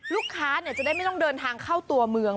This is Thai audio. จะได้ไม่ต้องเดินทางเข้าตัวเมือง